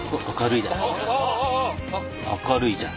明るいじゃん。